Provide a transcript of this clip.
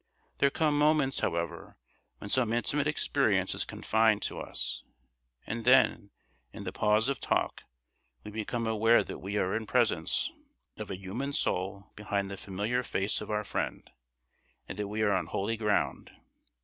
There come moments, however, when some intimate experience is confided to us, and then, in the pause of talk, we become aware that we are in presence of a human soul behind the familiar face of our friend, and that we are on holy ground.